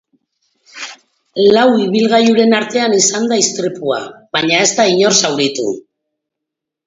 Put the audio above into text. Lau ibilgailuren artean izan da istripua, baina ez da inor zauritu.